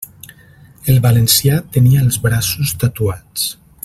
El valencià tenia els braços tatuats.